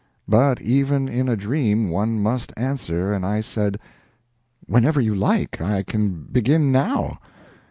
But even in a dream one must answer, and I said: "Whenever you like. I can begin now."